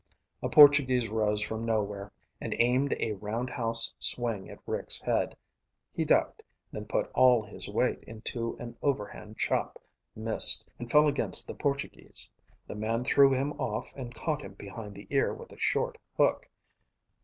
A Portuguese rose from nowhere and aimed a roundhouse swing at Rick's head. He ducked, then put all his weight into an overhand chop, missed, and fell against the Portuguese. The man threw him off and caught him behind the ear with a short hook.